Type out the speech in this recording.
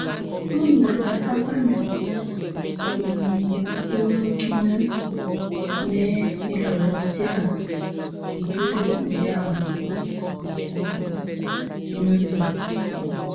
Tù ndù ɛmbasaka nìɔ̂ɔ ù nibotolokiniǝ́ nɛ ɛlɔlɔ tɛ̀á ikuili ù yá ɛmnoŋɔ yɛ na lumǝ.